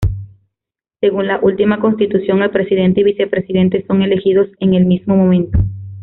Según la última Constitución, el Presidente y Vicepresidente son elegidos en el mismo momento.